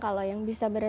kalau yang bisa lari